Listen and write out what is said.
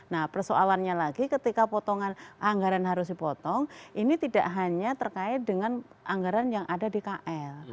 nah persoalannya lagi ketika potongan anggaran harus dipotong ini tidak hanya terkait dengan anggaran yang ada di kl